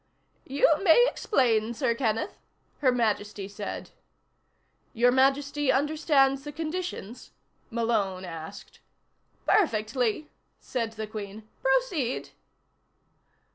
"You may explain, Sir Kenneth," Her Majesty said. "Your Majesty understands the conditions?" Malone asked. "Perfectly," said the Queen. "Proceed."